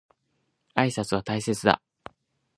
挨拶は大切だ。